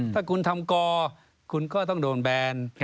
ถ้าคุณทำกอคุณก็ต้องโดนแบน